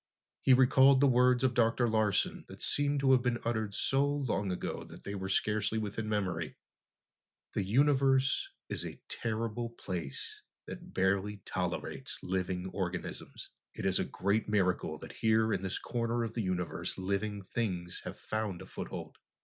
He recalled the words of Dr. Larsen that seemed to have been uttered so long ago that they were scarcely within memory: "The universe is a terrible place that barely tolerates living organisms. It is a great miracle that here in this corner of the universe living things have found a foothold.